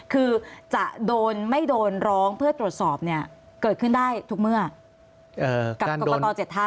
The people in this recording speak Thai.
คือจะโดนไม่โดนร้องเพื่อตรวจสอบเนี่ยเกิดขึ้นได้ทุกเมื่อกับกรกต๗ท่า